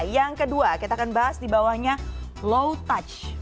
yang kedua kita akan bahas di bawahnya low touch